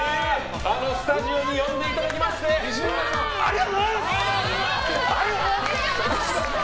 スタジオに呼んでいただきましてありがとうございます！